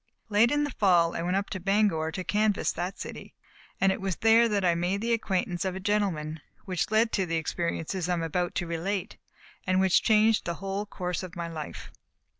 Late in the fall I went up to Bangor to canvass that city, and it was there that I made the acquaintance of a gentleman, which led to the experiences that I am about to relate, and which changed the whole course of my life.